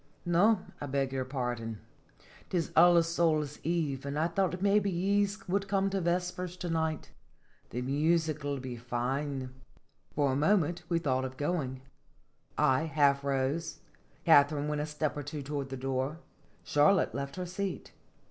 "No, I beg yer pardon. 'Tis All Souls" 64 Singefc ifloirja. Eve, and I thought maybe yees would come to vespers to night. The music '11 be fine." For a moment we thought of going. I half rose; Katharine went a step or two toward the door ; Charlotte left her seat.